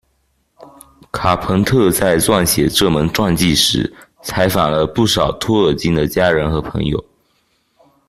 卡彭特在撰写这本传记时，采访了不少托尔金的家人和朋友。